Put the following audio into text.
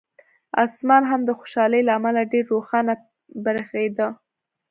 اسمان هم د خوشالۍ له امله ډېر روښانه برېښېده.